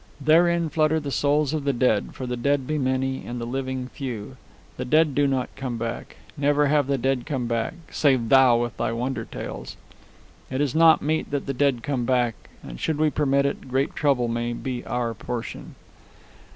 Therein flutter the souls of the dead; for the dead be many and the living few. The dead do not come back. Never have the dead come back save thou with thy wonder tales. It is not meet that the dead come back, and should we permit it, great trouble may be our portion."